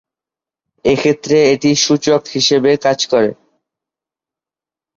এক্ষেত্রে এটি একটি সূচক হিসাবে কাজ করে।